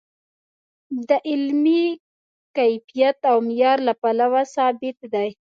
د علمي کیفیت او معیار له پلوه ثابت دی.